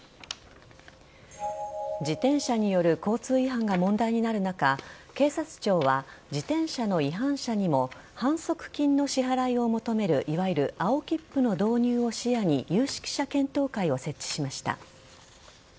自転車による交通違反が問題になる中警察庁は自転車の違反者にも反則金の支払いを求めるいわゆる青切符の導入を視野に有識者検討会を設置しました。